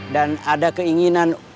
dan ada keinginan